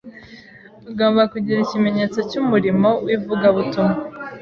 Ugomba kugira ikimenyetso cy’umurimo w’ivugabutumwa